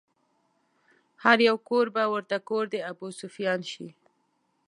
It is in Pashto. هر يو کور به ورته کور د ابوسفيان شي